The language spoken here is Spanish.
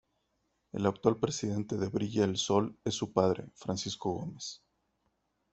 El actual presidente de Brilla el Sol, es su padre, Francisco Gómez.